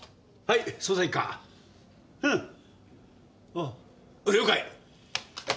ああ了解！